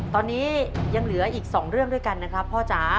ตอนนี้ยังเหลืออีก๒เรื่องด้วยกันนะครับพ่อจ๋า